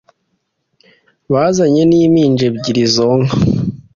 bazanye n’impinja ebyili zonka